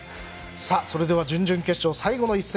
それでは準々決勝、最後の一戦